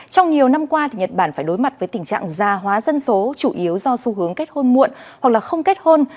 trong nhiều năm qua nhật bản phải đối mặt với tình trạng gia hóa dân số chủ yếu do xu hướng kết hôn muộn hoặc không kết hôn